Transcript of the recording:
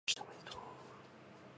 明けましておめでとう